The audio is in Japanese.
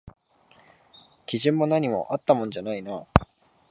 基準も何もあったもんじゃないな